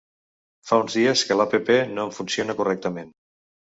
Fa uns dies que la app no em funciona correctament.